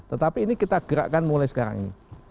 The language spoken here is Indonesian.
tetapi ini kita gerakkan mulai sekarang ini